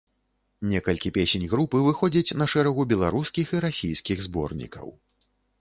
Некалькі песень групы выходзяць на шэрагу беларускіх і расійскіх зборнікаў.